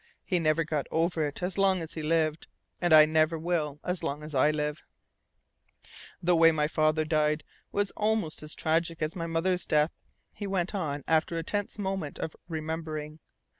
He never got over it as long as he lived, and I never will as long as I live. "The way my father died was almost as tragic as my mother's death," he went on after a tense moment of remembering.